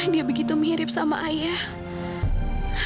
dia begitu mirip sama ayah